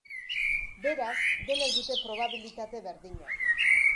Beraz, denek dute probabilitate berdina.